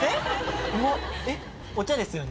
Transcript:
お茶ですよね？